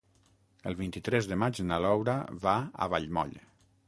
El vint-i-tres de maig na Laura va a Vallmoll.